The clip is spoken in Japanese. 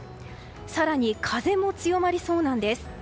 更に、風も強まりそうなんです。